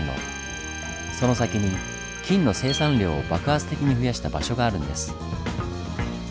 その先に金の生産量を爆発的に増やした場所があるんです。